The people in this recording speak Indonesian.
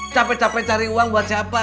capek capek cari uang buat siapa